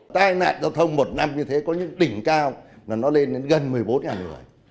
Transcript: tai nạn giao thông một năm như thế có những đỉnh cao là nó lên đến gần một mươi bốn người